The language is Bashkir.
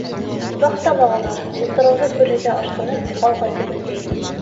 Вахталағылар, утрауҙы күрергә ашҡынып, алға төбәлгәйне.